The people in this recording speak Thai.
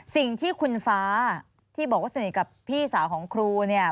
สิ่งที่คุณฟ้าที่บอกว่าสนิทกับพี่สาวของครูเนี่ย